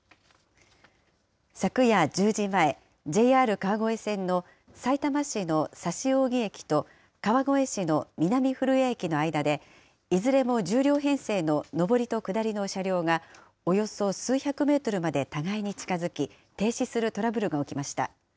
昨夜１０時前、ＪＲ川越線の、さいたま市の指扇駅と川越市の南古谷駅の間で、いずれも１０両編成の上りと下りの車両が、およそ数百メートルまで互いに近づき、停止するトラブルが起きました。